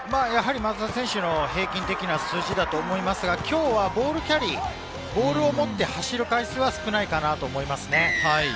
やはり松田選手の平均的な数字だと思いますが、今日はボールキャリー、ボールを持って走る回数は少ないかなと思いますね。